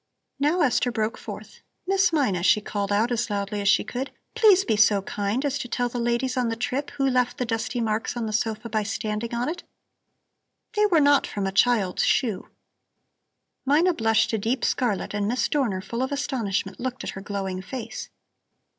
Now Esther broke forth: "Miss Mina," she called out as loudly as she could, "please be so kind as to tell the ladies on the trip who left the dusty marks on the sofa by standing on it. They were not from a child's shoe." Mina blushed a deep scarlet and Miss Dorner, full of astonishment, looked at her glowing face.